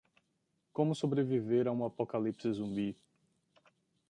Como sobreviver a um apocalipse zumbi